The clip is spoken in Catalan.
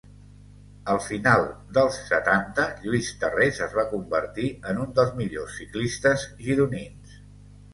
Al final dels setanta Lluís Tarrés es va convertir en un dels millors ciclistes gironins.